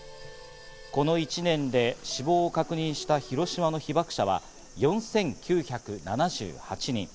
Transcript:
この１年で死亡を確認した広島の被爆者は４９７８人。